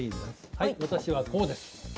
はい私はこうです。